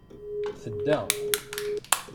Tedda.